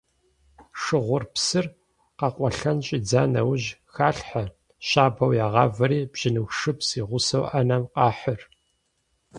Шыгъур псыр къэкъуэлъэн щӏидза нэужь халъхьэ, щабэу ягъавэри бжьыныху шыпс и гъусэу ӏэнэм къахьыр.